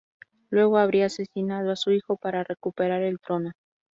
Luego, habría asesinado a su hijo para recuperar el trono.